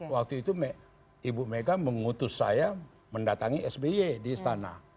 waktu itu ibu mega mengutus saya mendatangi sby di istana